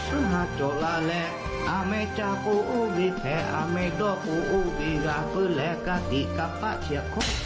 อันนี้คืออะไร